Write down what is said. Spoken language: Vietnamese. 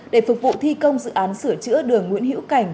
để phục vụ thi công dự án sửa chữa đường nguyễn hữu cảnh